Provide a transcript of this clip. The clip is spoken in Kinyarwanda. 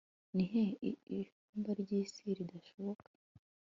ni he ibumba ryisi ridashoboka